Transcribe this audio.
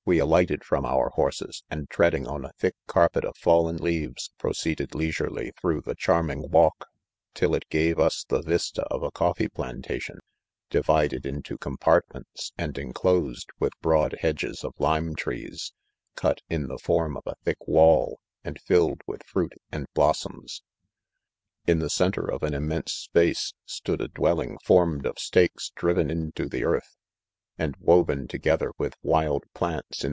alighted from ; our horsesf and treading on a thick car= •pet of fallen leaves proceeded leisurely through ■the charming walk, nil it gave us the vista of a coffee plantation, divided into compartments and enclosed with broad hedges of lime trees, "euf'in the form ojf a thick wall, and filled with fruit and blossoms. (3) In the centre! of an open, space, stood a dwelling formed of stakes driven into the earth, and woven together with wild plants, in